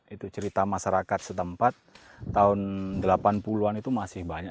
itu cerita masyarakat setempat tahun delapan puluh an itu masih banyak